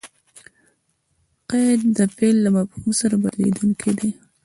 قید؛ د فعل له مفهوم سره بدلېدونکی دئ.